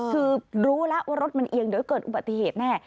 คือรู้แล้วว่ารถมันเอียงเดี๋ยวเกิดอุบัติเหตุแน่